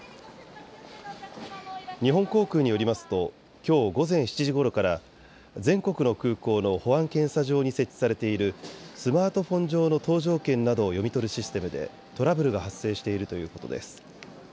日本航空によりますときょう午前７時ごろから全国の空港の保安検査場に設置されているスマートフォン上の搭乗券などを読み取るシステムでトラブルが発生しているということです。